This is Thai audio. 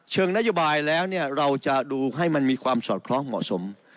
นโยบายแล้วเนี่ยเราจะดูให้มันมีความสอดคล้องเหมาะสม